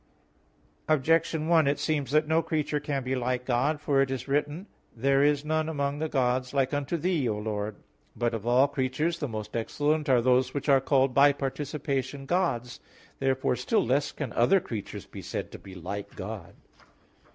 Objection 1: It seems that no creature can be like God. For it is written (Ps. 85:8): "There is none among the gods like unto Thee, O Lord." But of all creatures the most excellent are those which are called by participation gods. Therefore still less can other creatures be said to be like God.